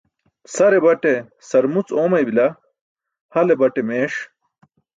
Sare baṭe sarmuc oomaybila, hale bate meeṣ.